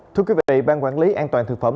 thưa quý vị ban quản lý an toàn thực phẩm